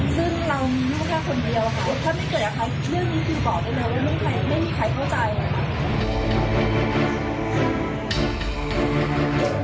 ซึ่งเรามีไม่มีค่าคนเดียวค่ะถ้าไม่เกิดครับเรื่องนี้คือบอกได้เลยว่าไม่มีใครเข้าใจ